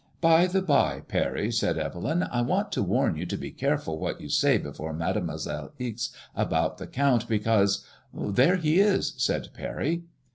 " By the by, Parry," said Evelyn, " I want to warn you to be careful what you say before Mademoiselle Ixe about the Count, because "" There he is," said Parry.